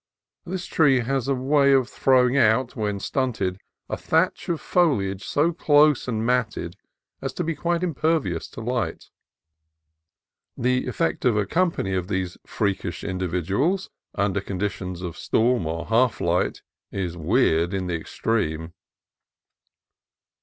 This tree has a way of throwing out, when stunted, a thatch of foliage so close and matted as to be quite impervious to light. The effect of a company of these freakish individuals, under conditions of storm or half light, is weird in the ex treme.